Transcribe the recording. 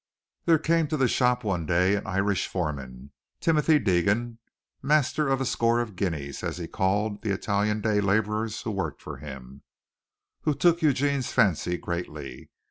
There came to the shop one day an Irish foreman, Timothy Deegan, master of a score of "guineas," as he called the Italian day laborers who worked for him, who took Eugene's fancy greatly.